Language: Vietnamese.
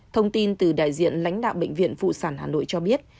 thông tin từ đại diện lãnh đạo bệnh viện phụ sản hà nội cho biết